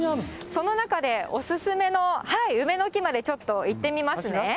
その中でお勧めの梅の木までちょっと行ってみますね。